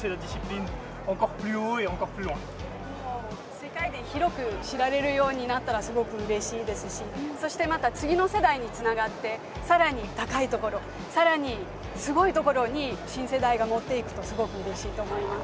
世界で広く知られるようになったらすごくうれしいですしそして、また次の世代につながってさらに高いところさらにすごいところに新世代が持っていくとすごくうれしいと思います。